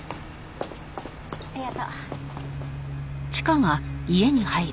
ありがとう。